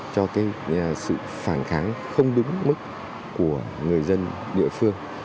cho cái sự phản kháng không đúng mức của người dân địa phương